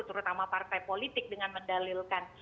terutama partai politik dengan mendalilkan